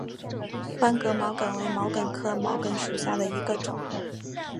班戈毛茛为毛茛科毛茛属下的一个种。